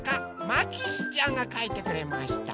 まきしちゃんがかいてくれました。